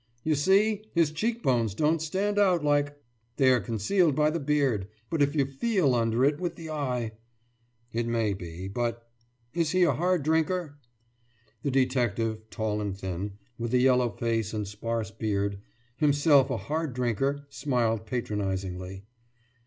»You see! His cheekbones don't stand out like....« »They are concealed by the beard, but if you feel under it with the eye....« »It may be, but.... Is he a hard drinker?« The detective, tall and thin, with a yellow face and sparse beard, himself a hard drinker, smiled patronizingly.